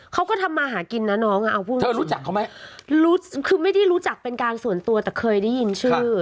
เขาก็ทำมาหากินน่ะน้องคือไม่ได้รู้จักเป็นการส่วนตัวแต่เคยได้ยินชื่อ